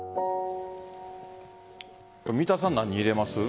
三田さん、何入れます？